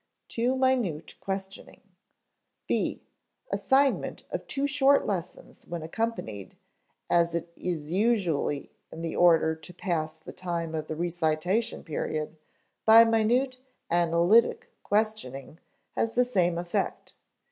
[Sidenote: Too minute questioning] (b) Assignment of too short lessons when accompanied (as it usually is in order to pass the time of the recitation period) by minute "analytic" questioning has the same effect.